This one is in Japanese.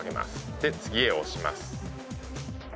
で「次へ」を押します。